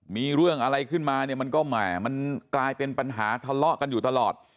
มีเรื่องอะไรขึ้นมาเนี่ยมันก็แหม่มันกลายเป็นปัญหาทะเลาะกันอยู่ตลอด